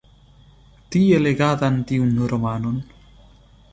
Tie legadan tiun romanon.